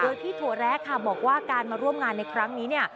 โดยพี่ถั่วแร้ค่ะบอกว่าการมาร่วมงานในครั้งนี้เนี่ย